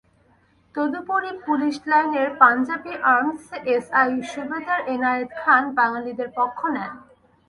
তদুপরি পুলিশ লাইনের Punjabi armed SI সুবেদার এনায়েত খান বাঙালিদের পক্ষ নেন।